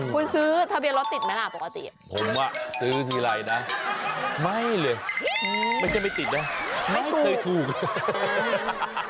คุณซื้อทะเบียนรถติดไหมล่ะปกติผมอ่ะซื้อทีไรนะไม่เลยไม่ใช่ไม่ติดนะไม่เคยถูกเลย